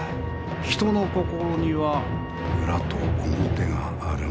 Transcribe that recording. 人の心には裏と表があるものぞ。